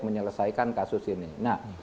menyelesaikan kasus ini nah